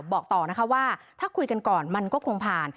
บอกต่อนะคะว่าถ้าคุยกันก่อนมันก็คงผ่าน